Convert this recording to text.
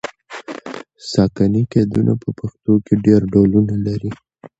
ساکني قیدونه په پښتو کې ډېر ډولونه لري.